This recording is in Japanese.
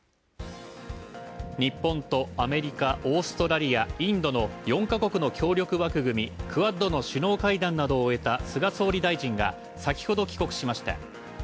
日本とアメリカ、オーストラリア、インドの４か国の協力枠組み「クアッド」の首脳会談などを終えた菅総理大臣が先ほど帰国しました。